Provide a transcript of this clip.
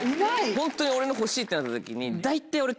ホントに俺の欲しいってなった時に大体俺。